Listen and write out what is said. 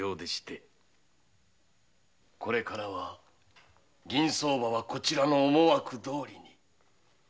これからは銀相場はこちらの思惑どおりに。